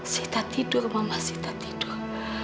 sita tidur mama sita tidur